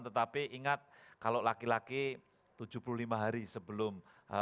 tetapi ingat kalau laki laki tujuh puluh lima hari sebelum